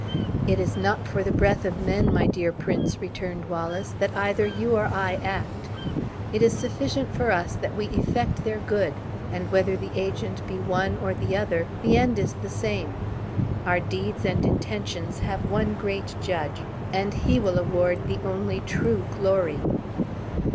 "It is not for the breath of men, my dear prince," returned Wallace, "that either you or I act. It is sufficient for us that we effect their good, and whether the agent be one or the other, the end is the same. Our deeds and intentions have one great Judge, and He will award the only true glory."